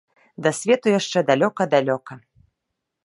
Да свету яшчэ далёка-далёка!